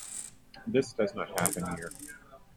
This does not happen here.